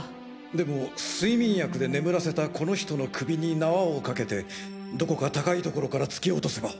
でも睡眠薬で眠らせたこの人の首に縄をかけてどこか高い所から突き落とせば。